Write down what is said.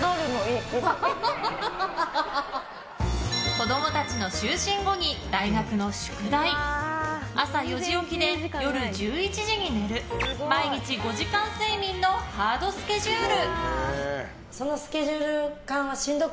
子供たちの就寝後に大学の宿題朝４時起きで夜１１時に寝る毎日５時間睡眠のハードスケジュール。